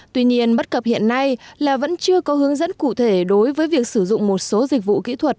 tuy nhiên bất cập hiện nay là vẫn chưa có hướng dẫn cụ thể đối với việc sử dụng một số dịch vụ kỹ thuật